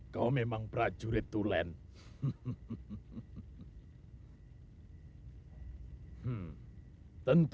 kau memang prajurit tulen